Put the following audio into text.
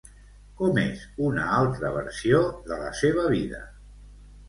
Com és una altra versió de la seva vida?